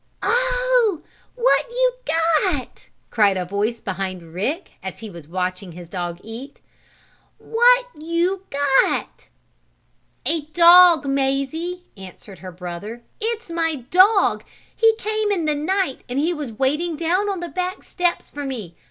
"Oh, what you got?" cried a voice behind Rick, as he was watching his dog eat. "What you got?" "A dog, Mazie," answered her brother. "It's my dog! He came in the night, and he was waiting down on the back steps for me.